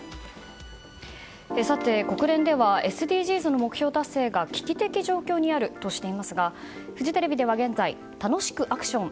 さて、国連ではＳＤＧｓの目標達成が危機的状況にあるとしていますがフジテレビでは現在楽しくアクション！